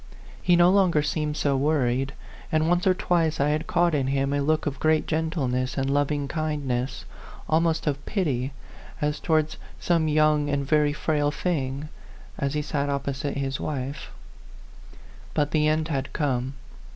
He no longer seemed so worried , and once or O f twice I had caught in him a look of great gentleness and loving kindness, almost of pity, as towards some young and very frail thing, as he sat opposite his wife. But the end had come.